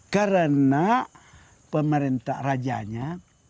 karena pemerintah rajanya